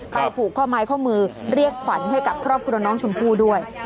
ผูกข้อไม้ข้อมือเรียกขวัญให้กับครอบครัวน้องชมพู่ด้วย